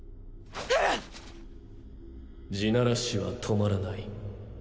エレン⁉地鳴らしは止まらない。